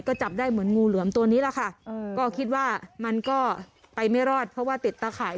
ก็จับได้เหมือนงูเหลือมตัวนี้แหละค่ะก็คิดว่ามันก็ไปไม่รอดเพราะว่าติดตาข่าย